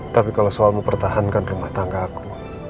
tapi kalau soal mempertahankan rumah tangga aku